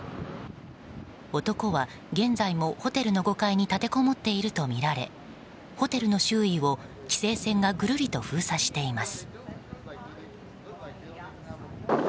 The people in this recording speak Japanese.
男は、現在もホテルの５階に立てこもっているとみられホテルの周囲を規制線がぐるりと封鎖しています。